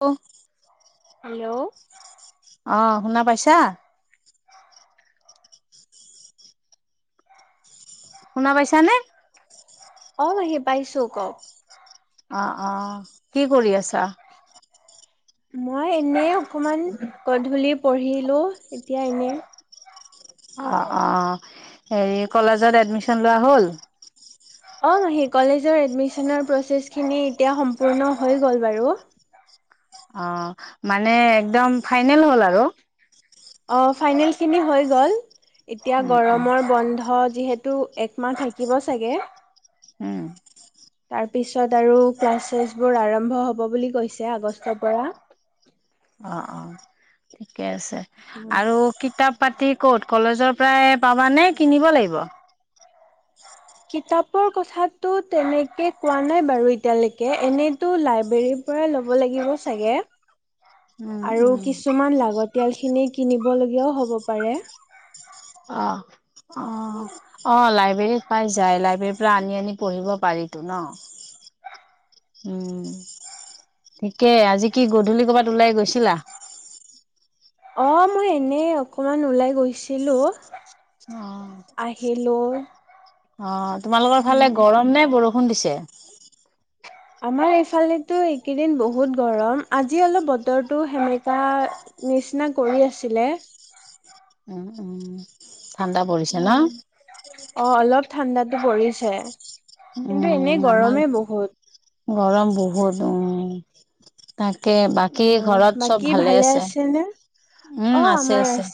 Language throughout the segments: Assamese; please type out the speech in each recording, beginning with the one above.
হেল্ল, হেল্ল' অ শুনা পাইছা? শুনা পাইচা নে? অ' পেহি পাইছোঁ কওক? অ-অ কি কৰি আছা? মই এনেইও অকমান গধূলি পঢ়িলোঁ, এতিয়া এনে অ-অ হেৰি কলেজত এডমিশন লোৱা হ'ল। অহ, পেহী কলেজৰ এডমিশ্যনৰ প্ৰচ্ছেচ খিনি এতিয়া সম্পূৰ্ণ হৈ গল বাৰু। অ' মানে একদম ফাইনেল হ'ল আৰু। অ' ফাইনেল খিনি হৈ গ'ল। এতিয়া উম উম গৰমৰ বন্ধ যিহেতু তোৰ একমাহ থাকিব চাগে উম তাৰ পিছত আৰু ক্লাছ চালাছবোৰ আৰম্ভ হ'ব বুলি কৈছে আগষ্টৰ পৰা অ অ ঠিকে আছে আৰু কিতাপ পাতি কত কলেজৰ পৰাই পাবা নে কিনিব লাগিব কিতাপৰ কথাতটো তেনেকে কোৱা নাই বাৰু এতিয়ালৈকে এনেতো লাইব্ৰৰীৰ পৰা ল'ব লাগিব চাগে উম আৰু উম কিছুমান লাগত তিয়ালখিনি কিনিব লগীয়াও হ'ব পাৰে অ অ অ লাইব্ৰেৰীত পাই যাই লাইব্ৰেৰীৰ পৰা আনি আনি পঢ়িব পাৰিতো ন উম ঠিকেই আজি কি গধূলি ক'বাত ওলাই গৈছিলা অ মই এনে অকমান ওলাই গৈছিলো অ আহিলো। অ তোমালোকৰ ফালে উম গৰম নে বৰষুণ ষুণ দিছে আমাৰ এইফালেতো এইকেইদিন বহুত গৰম আজি অলপ বতৰটো সেমেকা নিচিনা কৰি আছিলে উম উম ঠাণ্ডা পৰিছে ন অ অ অলপ ঠাণ্ডাত পৰিছে কিন্তু এনেই উম আমাৰ গৰমে বহুত গৰম বহুত উম তাক তাকে অ বাকী ঘৰত চব বাকী ভালে আছে আছেনে? অ উম আছে আমাৰ আছে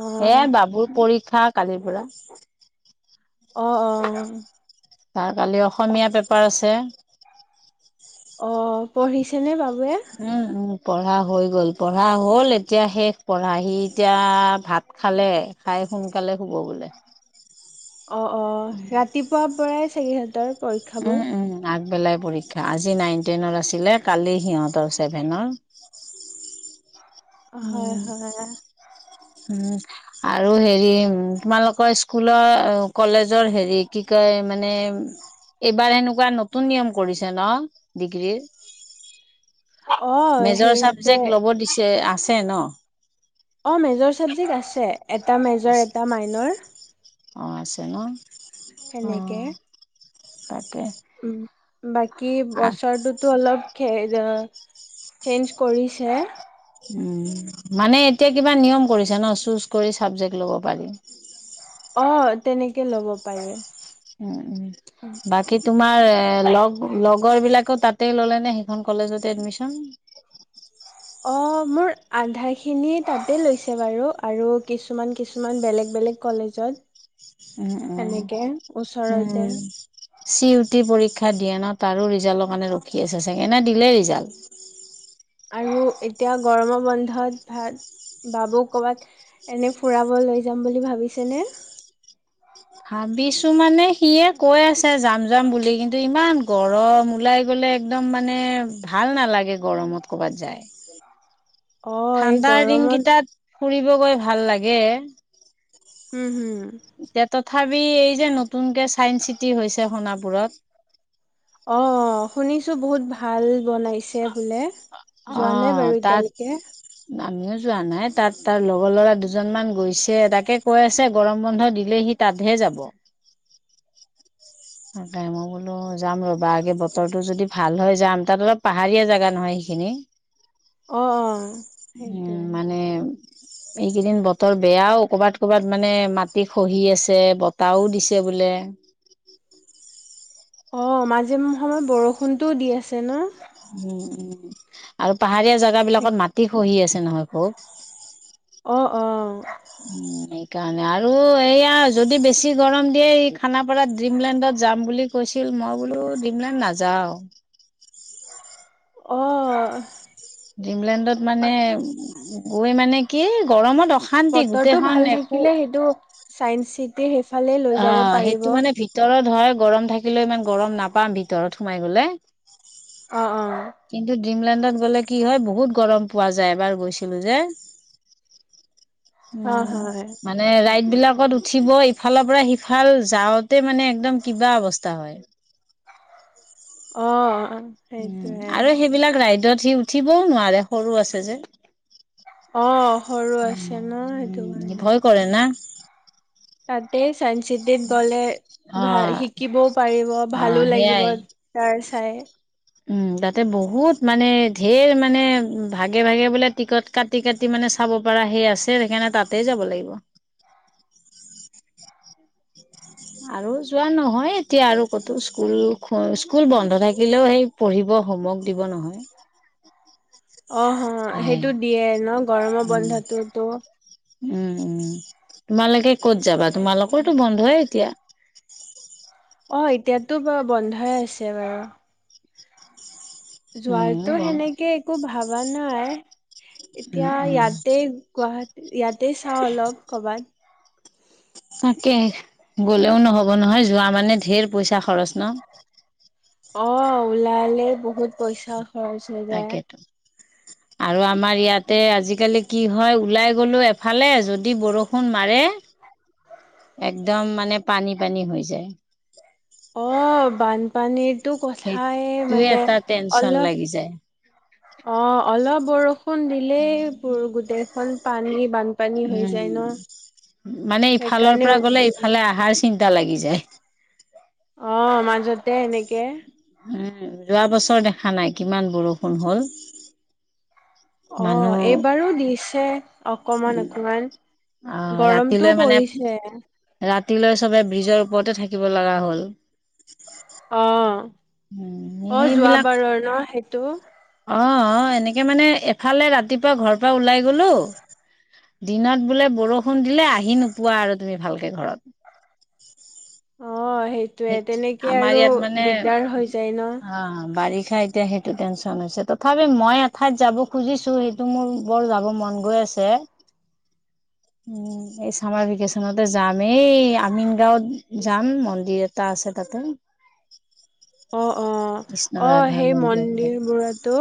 অ সে বাবুৰ পৰীক্ষাক কালিৰ পৰা আহ অ তাৰ কালি অসমীয়া পেপাৰ আছে অ পঢ়িছেনে বাবু উম উম পঢ়া হৈ গল পঢ়া হল এতিয়া শেষ পঢ়া সি এতিয়া ভাত খালে খাই সোনকালে শুব বোলে অ অ ৰাতিপুৱাৰ পৰাই চাগে সিহঁতৰ পৰীক্ষাবোৰ। উম উম আগবেলাই পৰীক্ষা আজি নাইন টেনৰ আছিল কালি সিহঁতৰ চছেভেনৰ হয় হয় উম আৰু হেৰি তোমালোকৰ স্কুলৰ কলেজৰ হেৰি কি কয় মানে এইবাৰ এনেকুৱা নতুন নিয়ম কৰিছে ন ডিগ্ৰীৰ অ মেজৰ সেইটোৱে চাবজেক্ট ল'ব দিছে আহ আছে ন অ মেজৰ চাবজেক্ট আছে এটা মেজৰ এটা আছে মাইনৰ অ', আছে ন', হেনেকে। [unintelligible] [unintelligible] বাকী আহ বছৰটোতো অলপ, সেইজন চেঞ্জ কৰিছে। উম', মানে এতিয়া কিবা নিয়ম কৰিছে ন', চুজ কৰি চাবজেক্ট ল'ব পাৰি। অ', তেনেকে ল'ব পাৰে। উম', -উম', বাকী তোমাৰ লগ-লগৰ বিলাকে তাতে ল'লে নে সেইখন কলেজতে এডমিশন? অ', মোৰ আধাখিনি তাতে লৈছে বাৰু আৰু কিছুমান-কিছুমান বেলেগ-বেলেগ কলেজত। উম', -উম, সেনেকে ওচৰতে '-উম', চি-ইউ-টি পৰীক্ষা দিয়ে ন', তাৰো ৰিজাল্টৰ কাৰণে ৰখি আছে চাগে নে দিলেই ৰিজাল্ট? আৰু এতিয়া গৰমৰ বন্ধত ভাল বাবুক ক'ৰবাত এনে ফুৰাব লৈ যাম বুলি ভাবিছেনে? ভাবিছো মানে সিয়ে কৈ আছে যাম-যাম বুলি, কিন্তু ইমান গৰম ওলাই গলে, একদম মানে ভাল নালাগে গৰমত কৰ'বাত যায়। অ এই ঠাণ্ডাৰ গৰমত দিনকেইটাত, ফুৰিব গৈ ভাল লাগে। উম', হুম', তেতত, তথাপি, এই যে নতুনকে ছাইন্স চিটি হৈছে সোণাপুৰত, অ', শুনিছো বহুত ভাল। বনাইছে বোলে অ যোৱা নোই বাৰু তাত এতিয়ালৈকে। আমিও যোৱা নাই তাত তাৰ লগৰ ল'ৰা দুজনমান গৈছে। তাকে কৈ আছে গৰম বন্ধ দিলে সি তাতহে যাব। তাকে মই বোলো যাম ৰবা আগে বতৰটো যদি ভাল হয় যাম। তাত অলপ পাহাৰীয়া জেগা নহয় সেইখিনি। অ', -অ', উম', সেইটোৱে মানে এইকেইদিন বতৰ, তোৰ বেয়াও ক'ৰবাত-ক'ৰবাত, মানে মাটি খহি আছে, বতাহও দিছে বোলে। অ', মাজে সময়ত বৰষুণটোও দি আছে ন',? উম', -উম', আৰু পাহাৰীয়া জেগা বিলাকত মাটি খহি আছে। [unintelligible] অহ', -অহ', উম সেইকাৰণে আৰু এইয়া যদি বেছি গৰম দিয়ে এই খানাপাৰাত ড্ৰিমলেণ্ডত যাম বুলি কৈছিল। মই বোলো ড্ৰিমলেণ্ড নাযাওঁ। অ', ড্ৰিমলেণ্ডত মানে গৈ মানে কি গৰমত অ' বতৰটো ভাল থাকিলে সেইটো। চায়েঞ্চচিটি সেইফালে যায়। অ' সেইটো মানে ভিতৰত। হয় গৰম থাকিলে ইমান গৰম নাপাম ভিতৰত সোমাই গ'লে। অ' অ'। ড্ৰীমলেণ্ডত গ'লে কি হয় বহুত গৰম পোৱা যায় এবাৰ গৈছিলো যে! হয় উম হয় মানে ৰাইটবিলাক। লগত উঠিব। সিফালৰ পৰা সিফাল যাওঁতে মানে একদম কিবা অৱস্থা হয়। অ'। উম সেইটোৱে আৰু সেইবিলাক ৰাইডত সি উঠিবও নোৱাৰে, সৰু আছে যে। অ'। সৰু আছে ন সেইটো উ-উ কাৰণে ভয় কৰে না। [inaudible] তাতে চাইন্স চিটিত গ'লে, অ', ভা-শিকিবও পাৰিব অ', ভালো লাগিব সেইয়াই। তাৰ চাই। উম তাতে বহুত মানে ধেৰ মানে ভাগে-ভাগে বোলে টিকট কাটি-কাটি মানে চাব পৰা সেই আছে, সেইকাৰণে তাতেই যাব লাগিব। আৰু যোৱা নহয় এতিয়া আৰু ক'তো, স্কুল-স্কুল বন্ধ থাকিলেও সেই পঢ়িব, হোমৱৰ্ক দিব নহয়। অহহ', সেয়াই সেইটো দিয়ে ন গৰমৰ বন্ধটোতো। উম-উম তোমালোকে ক'ত যাবা? তোমালোকৰতো বন্ধই এতিয়া। [inaudible] অ' এতিয়াতো বাৰ-বন্ধই আছে বাৰু। মোৰো যোৱাৰটো বন্ধ। হেনেকে একো ভাব হোৱা নাই! উম এতিয়া উম ইয়াতে গুৱাহাটী ইয়াতে চাওঁ অলপ ক'বাত। তাকে গ'লেও নহ'ব নহয় যোৱা মানে ঢেৰ পইচা খৰচ ন'? অ' ওলালে বহুত পইচা। দশহেজাৰ তাকেতো। আৰু আম আমাৰ ইয়াতে আজিকালি কি হয় ওলাই গ'লো এফালে, যদি বৰষুণ মাৰে, একদম মানে পানী-পানী হৈ যায়। অ' বানপানীত এইটো কথাই সেইটোয়ে মানে এটা টেনচন অলপ, লাগি যায়। অ' অলপ বৰষুণ দিলেই গোটেইখন পানী-বানপানী হৈ যায় ন? উম। মানে সেইকাৰণে টা লাগি যায় অ' মাজতে এনেকে। উম যোৱা বছৰ দেখা নাই কিমান বৰষুণ হ'ল! অ' মানুহ এইবাৰো দিছে। অকমান অকমান অ' গৰমতটোও পৰিছে ৰাতি লৈ সবে ব্ৰিজৰ ওপৰতে থাকিব লগা হ'ল অঁ উম, অঁ যোৱা বাৰৰ ন ত অঁ অঁ এনেকে মানে এফালে ৰাতিপুৱা ঘৰৰ পৰা ওলাই গলো দিনত বোলে বৰষুণ দিলে আহি নোপোৱা আৰু তুমি ভালকে ঘৰত অঁ সেইটোৱে সেই তেনেকে আমাৰ আৰু ইয়াত মানে দিগদাৰ হৈ যায় ন খা এতিয়া সেইটো টেনচন হৈছে তথাপি মই এঠাইত যাব খুজিছো সেইটো মোৰ বৰ যাব মন গৈ আছে উম এই চামাৰ ভেকেচনতে যাম এই আমিন গাঁওত যাম মন্দিৰ তাৰ চ তাতে অঁ কৃষ্ণ অঁ অঁ ৰাধা সেই বুলি, মন্দিৰ বোৰতো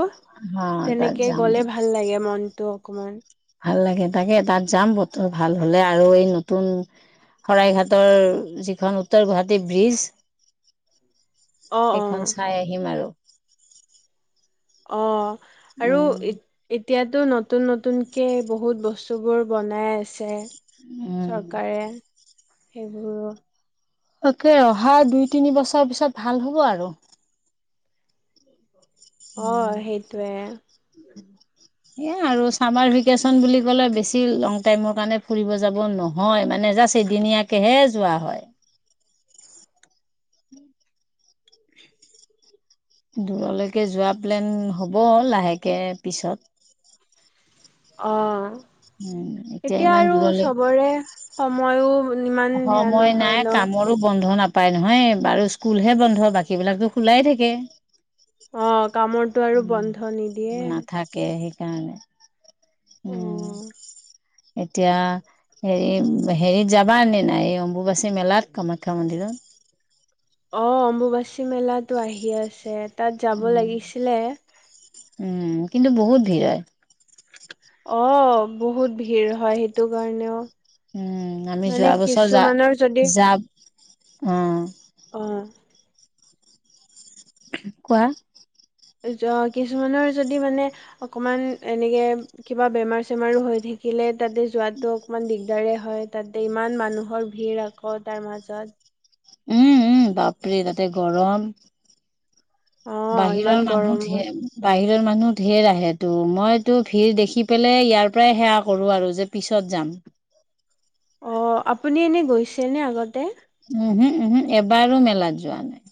হা তাত তেনেকে যাম গলে ভাল গলে মনটো অকণমান ভাল লাগে তাকে তাত যাম বতৰ ভাল হ'লে আৰু এই নতুন শৰাইঘাটৰ যিখন উত্তৰ গুৱাহাটী ব্ৰীজ অ অ সেইখন চাই আহিম আৰু অঁ আৰু উম, এতিয়াতো নতুন নতুনকে বহুত বস্তুবোৰ বনাই আছে উম। চৰকাৰে সেইবোৰ তাকে অহা দুই তিনি বছৰ পিছত ভাল হ'ব আৰু অঁ উম। সেইটোৱে এ আৰু চামাৰ ভেকেশচন বুলি কলে বেছি লং টাইমৰ কাৰণে ফুৰিব যাব নহয় মানে জাষ্ট এদিনীয়াকেহে যোৱা হয় দূৰলৈকে যোৱা প্লেন হ'ব লাহেকে পিছত অঁ উম এতিয়া ইমান আৰু দূৰলৈ চবৰে সময়ো ইমান ধ্যান সময় নহয় নাই ন কামৰো বন্ধ নাপ উপায় নহয় বাৰু স্কুলহে বন্ধ বাকী বিলাকতো খোলাই থাকে অঁ কামৰ তটো আৰু উম, বন্ধ নিদিয়ে নাথাকে সেইকাৰণে উম', অ', এতিয়া হেৰি -হেৰিত যাবা নে নাই এই অম্বুবাচী মেলাত কামাখ্যা মন্দিৰত? অ', অম্বুবাচী মেলা আহি আছে। তাত যাব উম লাগিছিলে। উম, কিন্তু বহুত ভিৰ হয়। অ', বহুত ভিৰ হয় সেইটো কাৰণেও উম ', আমি মানে যোৱা বছৰ যা', কিছুমানৰ য', উম', আহ', কোৱা? য ', কিছুমানৰ যদি মানে অকণমান এনেকে কিবা বেমাৰ চেমাৰো হৈ থাকিলে তাতে যোৱাাতটো অকণমান দিল দৰে হয় তাতে ইমান মানুহৰ ভিৰ আকৌ তাৰ মাজত উম ', -উম ', বাপৰি তাতে গৰম অ' ইমান বাহিৰৰ মানুহ গৰমত ধেৰ বাহিৰ ৰ মানুহ ধঢেৰ আহে তটো মইো ভিৰ দেখি পেলাই ইয়াৰ পৰাই সেৱা কৰো আৰু যে পিছত যাম। অ', আপুনি এনে গৈছে নে আগত উম', - উম ', - উম ', -উম', এবাৰো মেলাত যোৱা নাই।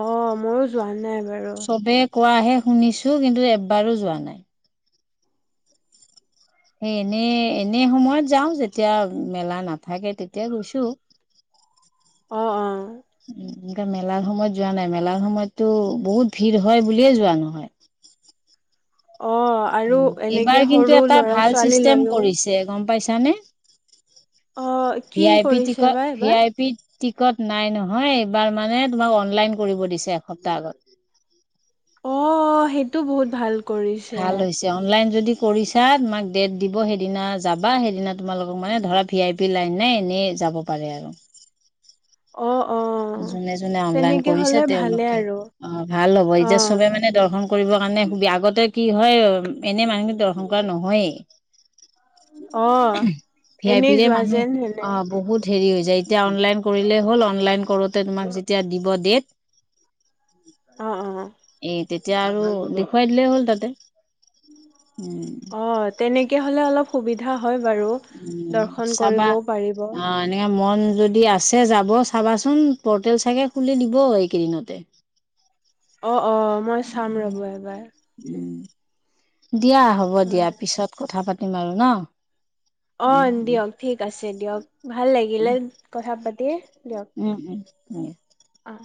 অ ', মই যোৱা নাই। বাৰো চবে কোৱাহে শুনিছো কিন্তু এবাৰো যোৱা নাই। সেই এনে -এনে সময়ত যাওঁ যেতিয়া মেলা নাথাকে তেতিয়াাই গৈছো। অঁ ', - অঁ', এনেকা মেলাৰ সময়ত যোৱা নাই মেলাৰ সময়ততো বহুত ভিৰ হয় বুলিয়ে যোৱা নহয়। অ' আৰু উ', এনেকে এইবাৰ কিন্তু সৰু এটা ল'ৰা ভাল ছোৱালী চিষ্টেম লৈও কৰিছে গম পাইছ চানে অ' কি ভি আই পি কৰিছে টিকট বা ভি এইবাৰ আই পি টিকট নাই নহয় এইবাৰ মানে তোমাক অনলাইন কৰিব দিছে এসপ্তাহ আগত। অ', সেইটো বহুত ভাল কৰিছে ভাল হৈছে অনলাইন যদি কৰিছা তোমাক ডেট দিব সেইদিনা যাবা সেইদিনা তোমালোকক মানে ধৰা ভি আই পি লাইন নাই এনেই যাব পাৰে আৰু। অ', অ' যোনে -যোনে অনলাইন তেনেকে কৰিছে হ'লে ভালে তেওঁলোকে আৰু অ', ভাল হব এতিয়া অ' চবে মানে দৰ্শন কৰিবৰ কাৰণে আগতে কি হয় এনে মানুহখিনি দৰ্শন কৰা নহয়েই। অ', ভি আই এনেই পিৰে যোৱা মানুহ যেন হেনে অ বহুত হেৰি হৈ যায় এতিয়া অনলাইন কৰিলেই হ'ল অনলাইন কৰোতে তোমাক যেতিয়া দিব ডেট অ', অ', এই তেতিয়া আৰু দেখুৱাই দিলেই হ'ল তাতে উম অ', তেনেকে হ'লে অলপ সুবিধা হয় বাৰু। উ দৰ্শন চাবা কৰিবও পাৰিব। অ এনেকে মন যদি আছে যাব চাবাচোন পৰ্টেল চাগে খুলি দিব এইকেইদিনতে অ অ মই চাম ৰ'ব এবাৰ উম, দিয়া হ'ব দিয়া হয়। পিছত কথা পাতি ম আৰু ন অ উম, উম, দিয়ক ঠিক আছে দিয়ক ভাল লা গিলে কথা পাতি দিয়ক উম উম উম অ'।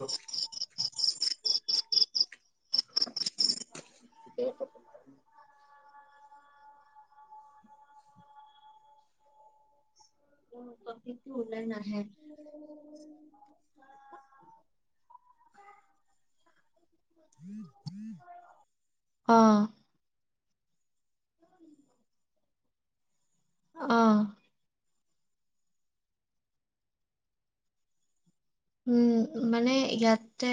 অ স অ ক সি টো উলাই নাহে উম হয় উম হম অ অ উম মানে ইয়াতে